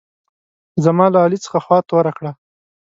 زما له علي څخه خوا توره کړه.